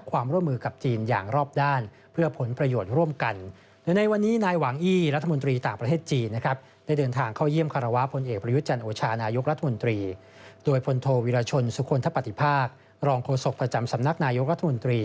ประชุนสุขลทธปฏิภาครองโฆษกประจำสำนักนายกรัฐมนตรี